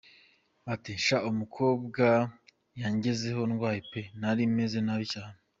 Ati: “Sha umukobwa yangezeho ndwaye pe, nari meze nabi cyane.